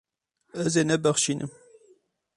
Ez ê nebexşînim.